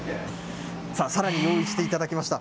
さあ、さらに用意していただきました。